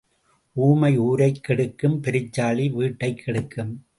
ஊமை ஊரைக் கெடுக்கும், பெருச்சாளி வீட்டைக் கெடுக்கும்.